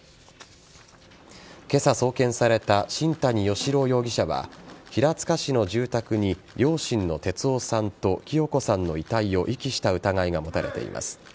今朝送検された新谷嘉朗容疑者は平塚市の住宅に両親の哲男さんと清子さんの遺体を遺棄した疑いが持たれています。